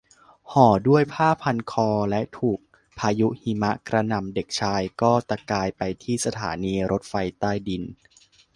ห่อด้วยผ้าพันคอและถูกพายุหิมะกระหน่ำเด็กชายก็ตะกายไปที่สถานีรถไฟใต้ดิน